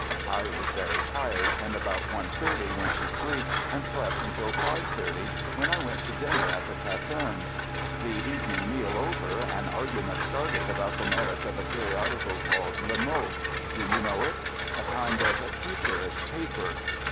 I was very tired, and at about one thirty went to sleep and slept until five thirty, when I went to dinner at the caserne. The even ing meal over, an argument started about the merits of a periodical called "Le Mot" (do you know it ?)— a kind of futurist paper.